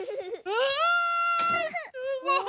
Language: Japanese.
うわ！